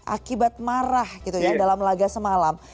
akibat marah gitu ya dalam laga semalam